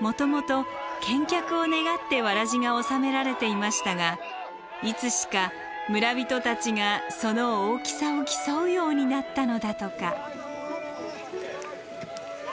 もともと健脚を願ってわらじが納められていましたがいつしか村人たちがその大きさを競うようになったのだとか。